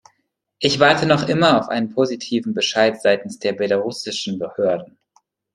Ich warte noch immer auf einen positiven Bescheid seitens der belarussischen Behörden.